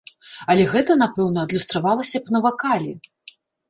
Але гэта напэўна адлюстравалася б на вакале.